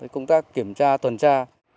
công tác kiểm tra tuần tra